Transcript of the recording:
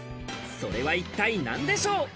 それは一体何でしょう？